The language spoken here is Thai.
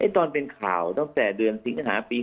ตอนเป็นข่าวตั้งแต่เดือนสิงหาปี๒๕